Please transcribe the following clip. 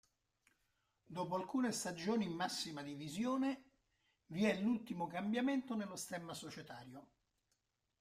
Dopo alcune stagioni in massima divisione, vi è l'ultimo cambiamento nello stemma societario.